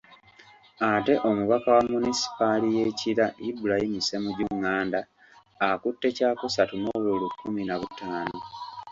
Ate omubaka wa munisipaali y'e Kira, Ibrahim Ssemujju Nganda akutte kyakusatu n’obululu kkumi na butaano.